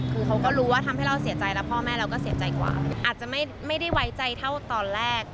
ต้องก็เตรียมสะพายก่อน